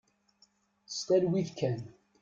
S talwit kan.